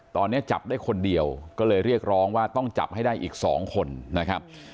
ตอนนี้จับได้คนเดียวก็เลยเรียกร้องว่าต้องจับให้ได้อีก๒คนนะครับ